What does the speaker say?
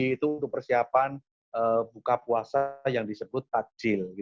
itu untuk persiapan buka puasa yang disebut takjil